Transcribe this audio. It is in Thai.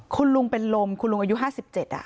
คุณลุงเป็นลมคุณลุงอายุห้าสิบเจ็ด